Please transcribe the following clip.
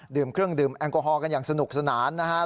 ดื่มเครื่องดื่มแอลกอฮอลกันอย่างสนุกสนานนะครับ